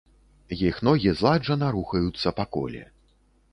Іх ногі зладжана рухаюцца па коле.